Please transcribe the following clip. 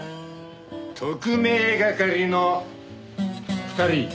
特命係の２人。